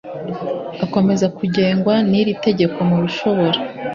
akomeza kugengwa n iri tegeko mu bishobora